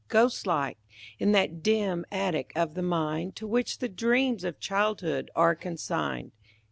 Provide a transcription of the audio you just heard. Ghost like, in that dim attic of the mind To which the dreams of childhood are consigned.